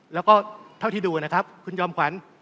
แล้วก็เท่าที่ดูนะครับคุณจอมขวัญ